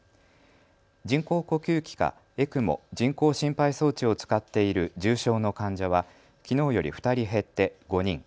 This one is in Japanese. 人工呼吸器かＥＣＭＯ・人工心肺装置を使っている重症の患者はきのうより２人減って５人。